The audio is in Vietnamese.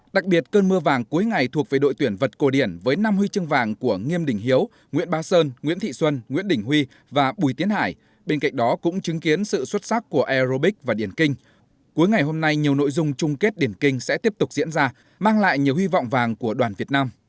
đặc biệt cơn mưa vàng cuối ngày thuộc về đội tuyển vật cổ điển với năm huy chương vàng của nghiêm đình hiếu nguyễn ba sơn nguyễn thị xuân nguyễn đình huy và bùi tiến hải bên cạnh đó cũng chứng kiến sự xuất sắc của aerobics và điển kinh cuối ngày hôm nay nhiều nội dung chung kết điển kinh sẽ tiếp tục diễn ra mang lại nhiều huy vọng vàng của đoàn việt nam